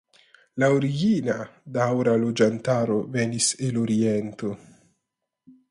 La origina daŭra loĝantaro venis el oriento.